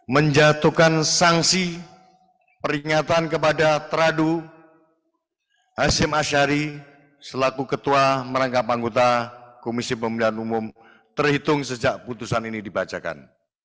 menjatuhkan sanksi peringatan kepada tradu hashim ashari selaku ketua merangkapan guta kpu terhitung sejak putusan ini dibacakan